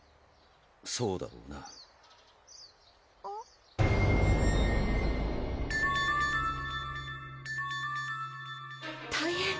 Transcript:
そうだろうな大変！